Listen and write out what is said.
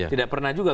tidak pernah juga